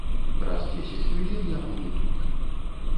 Праз дзесяць хвілін я буду тут.